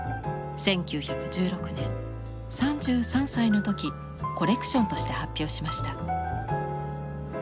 １９１６年３３歳の時コレクションとして発表しました。